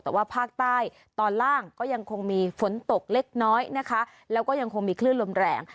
แต่ว่าภาคใต้ตอนล่างก็ยังคงมีฝนตกเล็กน้อยนะคะแล้วก็ยังคงมีคลื่นลมแรง